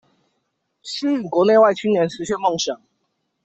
吸引國內外青年實現夢想